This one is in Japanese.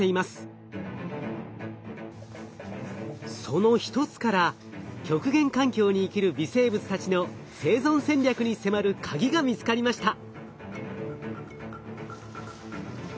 その一つから極限環境に生きる微生物たちの生存戦略に迫るカギが見つかりました。